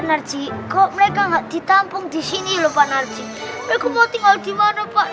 ncriko mereka nggak di tampung disini lompat vengeance tarkopon jarciil karena i radial